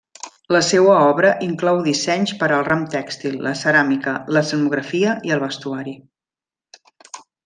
La seua obra inclou dissenys per al ram tèxtil, la ceràmica, l'escenografia i el vestuari.